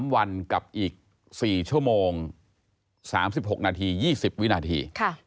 ๓วันกับอีก๔ชั่วโมง๓๖นาที๒๐วินาที